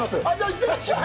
行ってらっしゃい。